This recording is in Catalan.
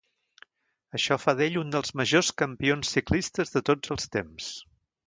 Això fa d'ell un dels majors campions ciclistes de tots els temps.